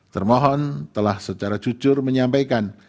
termohon telah secara jujur menyampaikan